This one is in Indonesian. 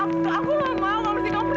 aku aku mau aku mesti kamu pergi